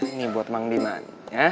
ini buat mang diman